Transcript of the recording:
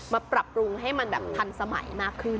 ปรับปรุงให้มันแบบทันสมัยมากขึ้น